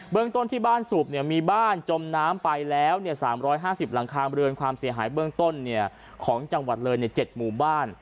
เบื้องต้นที่บ้านสูบเนี่ยมีบ้านจมน้ำไปแล้วเนี่ยสามร้อยห้าสิบหลังคาเบลือนความเสียหายเบื้องต้นเนี่ยของจังหวัดเลินเนี่ยเจ็ดมุมบ้าน